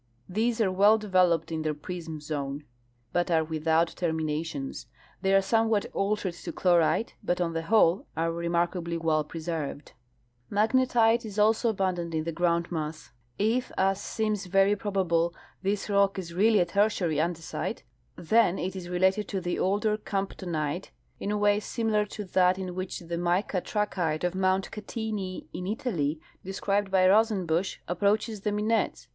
These are Avell developed in their prisna zone but are Avithout terminations. They are someAvhat altered to chlorite, but on tlie Avhole are remarkably Avell jn eserved. Magnetite is Varieties of PorpJtijritc'. 71 also abundant in the groundmass. If, as seems very probable, this rock is really a Tertiary andesite, then it is related to the older caniptonite in a way similar to that in which the mica trachyte of mount Catini, in Italy, described hj Rosenbusch,* a^jproaches the minettes.